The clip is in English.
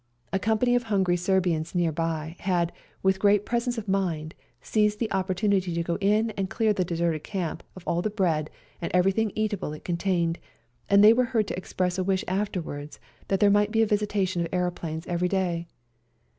A company of hungry Serbians near by had with great pre sence of mind seized the opportunity to go in and clear the deserted camp of all the bread and everything eatable it contained, and they were heard to express a wish afterwards that there might be a visitation of aeroplanes every day.